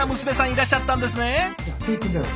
いらっしゃったんですね。